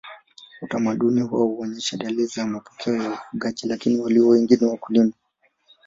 Utamaduni wao unaonyesha dalili za mapokeo ya wafugaji lakini walio wengi ni wakulima.